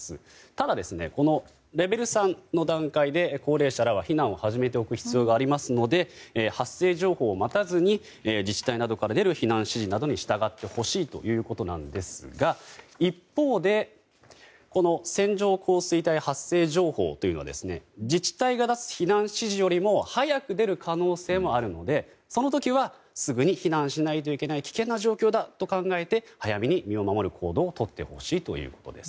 ただ、レベル３の段階で高齢者らは避難を始めておく必要がありますので発生情報を待たずに自治体などから出る避難指示などに従ってほしいということなんですが一方で、線状降水帯発生情報というのは自治体が出す避難指示よりも早く出る可能性もあるのでその時はすぐに避難しないといけない危険な状況だと考えて早めに身を守る行動をとってほしいということです。